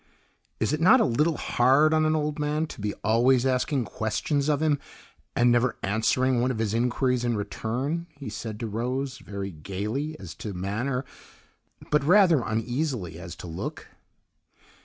"Is it not a little hard on an old man to be always asking questions of him, and never answering one of his inquiries in return?" he said to Rose, very gayly as to manner, but rather uneasily as to look.